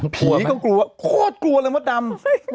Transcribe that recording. ผีก็กลัวโคตรกลัวลำบับดำ